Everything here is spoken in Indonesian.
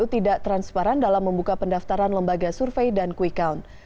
tidak transparan dalam membuka pendaftaran lembaga survei dan quick count